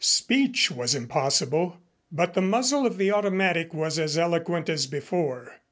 Speech was impossible, but the muzzle of the automatic was as eloquent as before.